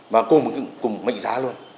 và cùng mệnh giá luôn